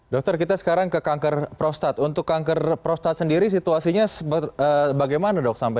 dokter kita sekarang ke kanker prostat untuk kanker prostat sendiri situasinya bagaimana dok sampai